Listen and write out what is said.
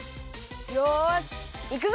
よしいくぞ！